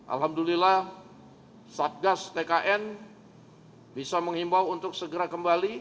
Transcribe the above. alhamdulillah satgas tkn bisa menghimbau untuk segera kembali